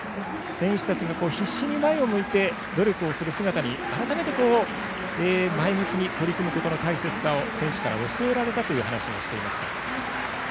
選手たちが必死に前を向いて努力をする姿に改めて、前向きに取り組むことの大切さを選手から教えられたという話もしていました。